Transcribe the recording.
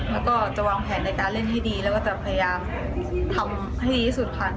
แล้วก็จะวางแผนในการเล่นให้ดีแล้วก็จะพยายามทำให้ดีที่สุดค่ะ